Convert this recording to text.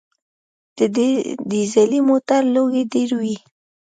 د ډیزلي موټر لوګی ډېر وي.